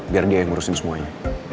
biar dia yang ngurusin semuanya